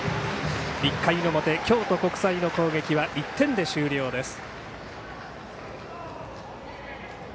１回の表、京都国際の攻撃は１点で終了です。